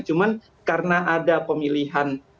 cuman karena ada pemilihan